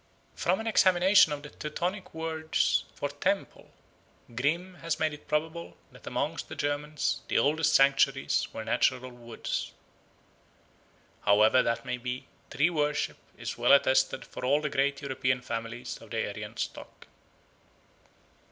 From an examination of the Teutonic words for "temple" Grimm has made it probable that amongst the Germans the oldest sanctuaries were natural woods. However that may be, tree worship is well attested for all the great European families of the Aryan stock.